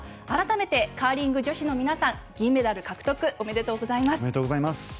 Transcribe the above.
改めてカーリング女子の皆さん銀メダル獲得おめでとうございます。